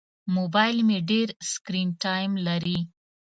موبایل مې ډېر سکرین ټایم لري.